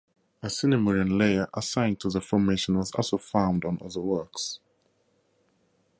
A Sinemurian layer assigned to the formation was also found on other works.